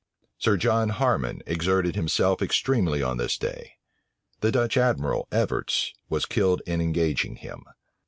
Sir John Harman exerted himself extremely on this day. The Dutch admiral, Evertz, was killed in engaging him.